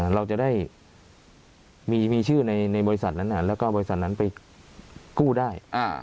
เราจะได้มีชื่อในบริษัทนั้นแล้วก็บริษัทนั้นไปกู้ได้